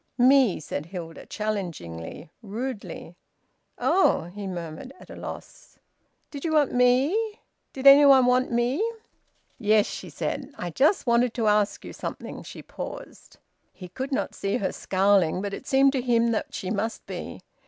"Me!" said Hilda, challengingly, rudely. "Oh!" he murmured, at a loss. "Did you want me? Did any one want me?" "Yes," she said. "I just wanted to ask you something," she paused. He could not see her scowling, but it seemed to him that she must be.